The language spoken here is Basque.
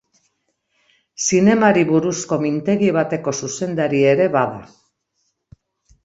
Zinemari buruzko mintegi bateko zuzendari ere bada.